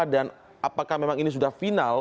dan apakah memang ini sudah final